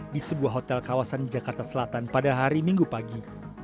di sebuah hotel kawasan jakarta selatan pada hari minggu pagi